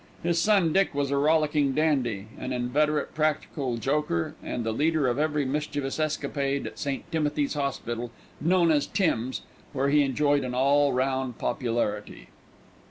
His son Dick was a rollicking dandy, an inveterate practical joker, and the leader of every mischievous escapade at St. Timothy's Hospital, known as "Tim's," where he enjoyed an all round popularity.